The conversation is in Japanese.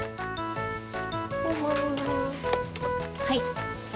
はい。